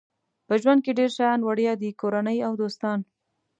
په ژوند کې ډېر شیان وړیا دي کورنۍ او دوستان.